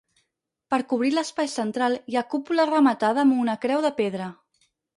Per cobrir l'espai central hi ha cúpula rematada amb una creu de pedra.